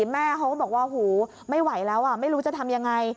แม่เขาก็บอกว่าหูไม่ไหวแล้วไม่รู้จะทำยังไง